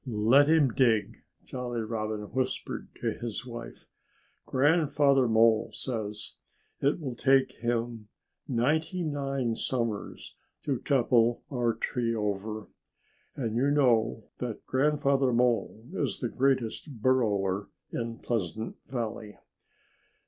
"Let him dig!" Jolly Robin whispered to his wife. "Grandfather Mole says it will take him ninety nine summers to topple our tree over. And you know that Grandfather Mole is the greatest burrower in Pleasant Valley."